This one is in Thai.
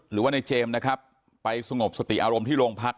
หรือว่าในเจมส์นะครับไปสงบสติอารมณ์ที่โรงพัก